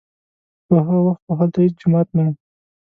په هغه وخت خو هلته هېڅ جومات نه و.